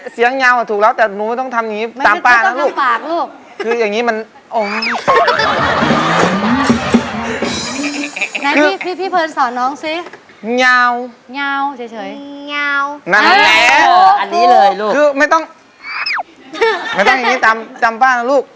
เสียงเนยาวถูกแล้วแต่เราไม่ต้องทำแบบนี้มาสามปากลาลูก